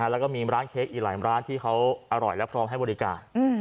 แล้วก็มีร้านเค้กอีกหลายร้านที่เขาอร่อยและพร้อมให้บริการ